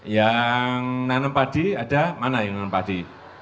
yang nanem padi ada mana yang nanem padi